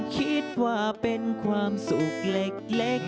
คิดว่าเป็นความสุขเล็กในน้อยไป